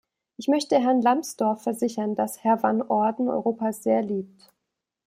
Ich möchte Herrn Lambsdorff versichern, dass Herr Van Orden Europa sehr liebt.